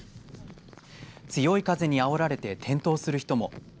強い風にあおられて転倒する人も。